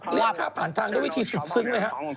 เรียนคราบผ่านทางด้วยวิธีสุดสึง